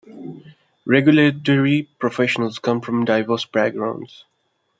Regulatory professionals come from diverse backgrounds.